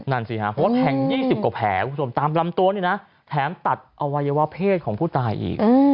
เพราะแถง๒๐กว่าแผลตามลำตัวแถมตัดอวัยวะเพศของผู้ตายอีก